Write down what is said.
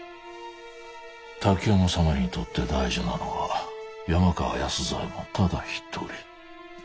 滝山様にとって大事なのは山川安左衛門ただ一人。